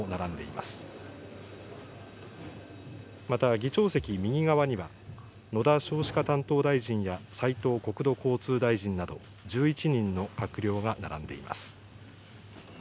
また議長席右側には、野田少子化担当大臣や斉藤国土交通大臣など、１１人の閣僚が並んでいます。